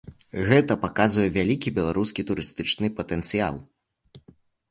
Гэта паказвае вялікі беларускі турыстычны патэнцыял.